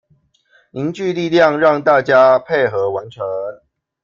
凝聚力量讓大家配合完成